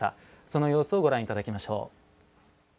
その様子をご覧いただきます。